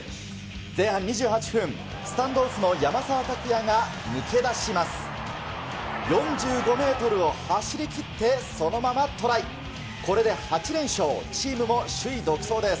前半２８分、スタンドオフの山沢拓也が抜け出します。